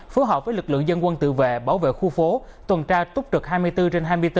phối hợp với lực lượng dân quân tự vệ bảo vệ khu phố tuần tra túc trực hai mươi bốn trên hai mươi bốn